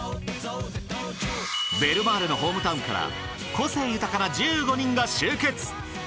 ベルマーレのホームタウンから個性豊かな１５人が集結。